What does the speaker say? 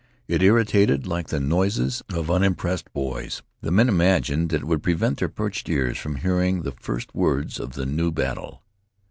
It irritated, like the noises of unimpressed boys. The men imagined that it would prevent their perched ears from hearing the first words of the new battle.